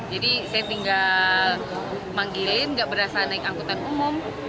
jadi saya tinggal manggilin tidak berasa naik angkutan umum